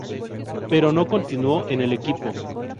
Pero no continuó en el equipo.